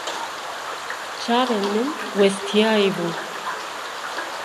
Çavên min westiyayî bûn.